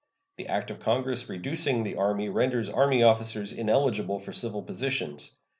The act of Congress reducing the Army renders army officers ineligible for civil positions.